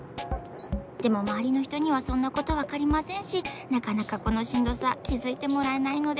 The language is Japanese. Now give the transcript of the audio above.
でもまわりのひとにはそんなことわかりませんしなかなかこのしんどさきづいてもらえないのです。